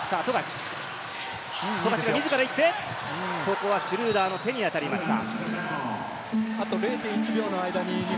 富樫、自らいって、ここはシュルーダーの手に当たりました。